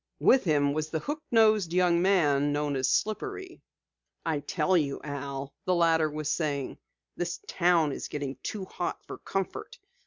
With him was the hook nosed young man known as Slippery. "I tell you, Al," the latter was saying, "this town is getting too hot for comfort.